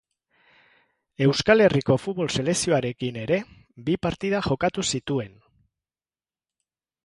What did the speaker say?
Euskal Herriko futbol selekzioarekin ere bi partida jokatu zituen.